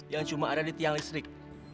yang cuma ada di tiang listrik